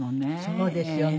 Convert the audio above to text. そうですよね。